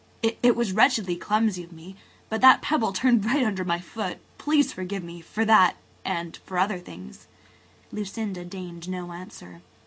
"It was wretchedly clumsy of me, but that pebble turned right under my foot. Please forgive me–for that–and for other things." Lucinda deigned no answer.